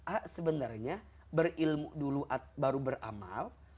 a sebenarnya berilmu dulu baru beramal